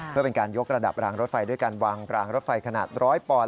เพื่อเป็นการยกระดับรางรถไฟด้วยการวางรางรถไฟขนาด๑๐๐ปอนด